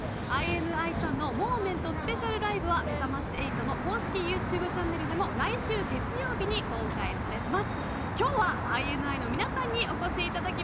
ＩＮＩさんのＭｏｍｅｎｔスペシャルライブはめざまし８の公式ユーチューブチャンネルでも来週月曜日に公開されます。